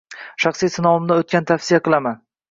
Shaxsiy sinovimdan o’tgan tavsiya qilaman